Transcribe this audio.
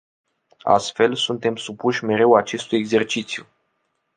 Astfel, suntem supuși mereu acestui exercițiu.